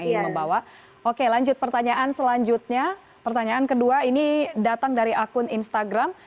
ingin membawa oke lanjut pertanyaan selanjutnya pertanyaan kedua ini datang dari akun instagram